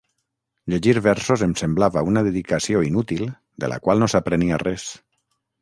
Llegir versos em semblava una dedicació inútil de la qual no s'aprenia res.